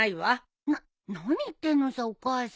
なっ何言ってんのさお母さん！